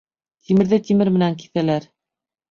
Тимерҙе тимер менән киҫәләр.